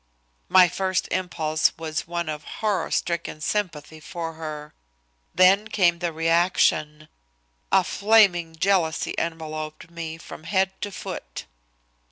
My first impulse was one of horror stricken sympathy for her. Then came the reaction. A flaming jealousy enveloped me from head to foot.